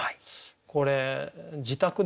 これ自宅でね